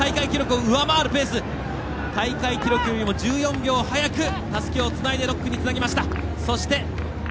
大会記録よりも１４秒早くたすきをつないで６区につなぎました。